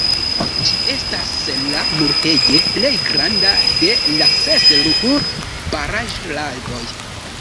Ĝi estas la multege plej granda de la ses Ruhr-baraĵlagoj.